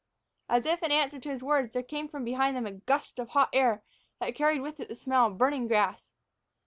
As if in answer to his words, there came from behind them a gust of hot air that carried with it the smell of burning grass.